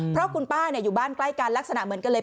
เพราะคุณป้าอยู่บ้านใกล้กันลักษณะเหมือนกันเลย